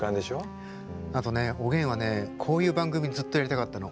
あとねおげんはねこういう番組ずっとやりたかったの。